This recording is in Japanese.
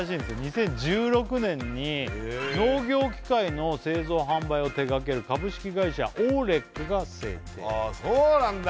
２０１６年に農業機械の製造販売を手がける株式会社オーレックが制定ああそうなんだ